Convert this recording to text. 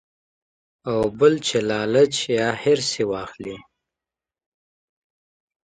او بل چې لالچ يا حرص ئې واخلي -